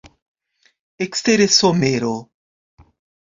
Ekstere somero.